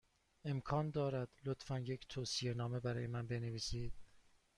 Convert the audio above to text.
امکان دارد، لطفا، یک توصیه نامه برای من بنویسید؟